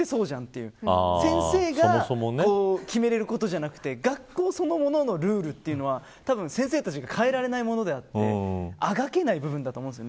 先生が決められることじゃなくて学校そのもののルールは先生たちが変えられないものであって、あがけない部分だと思うんです。